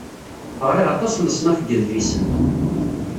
Ɣriɣ aṭas n leṣnaf n yedlisen.